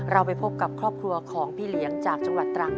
เราไปพบกับครอบครัวของพี่เหลียงจากจังหวัดตรัง